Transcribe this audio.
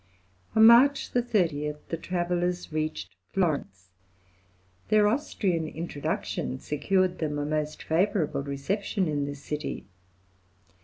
On March 30 the travellers reached Florence. Their Austrian introductions secured them a most favourable reception in this city.